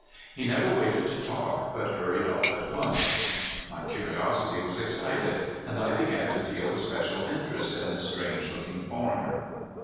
He never waited to talk, but hurried off at once. My curiosity was excited, and I began to feel a special interest in this strange looking foreigner.